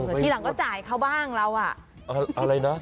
ทีหลังก็จ่ายเขาบ้างเราอ่ะอะไรนะ